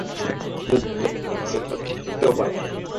যত বেশী দিন লাগবে, তত বেশি থাকতেও পারবো।